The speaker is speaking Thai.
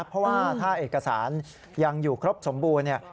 เพราะว่าถ้าเอกสารยังอยู่ครบสมบูรณ์